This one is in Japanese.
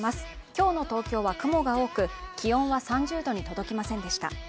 今日の東京は雲が多く気温は３０度に届きませんでした。